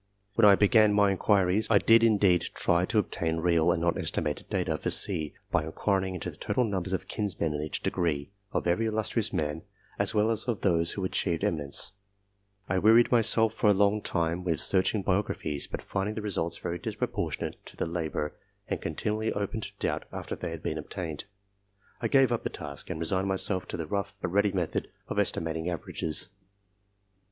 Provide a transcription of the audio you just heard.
When I began my inquiries, I did indeed try to obtain real and not estimated data for C, by inquiring into the total numbers of kinsmen in each degree, of every illustrious man, as well as of those who achieved eminence. 310 COMPARISON OF RESULTS I wearied myself for a long time with searching bio graphies, but finding the results very disproportionate to the labour, and continually open to doubt after they had been obtained, I gave up the task, and resigned myself to the, rough but ready method of estimated averages.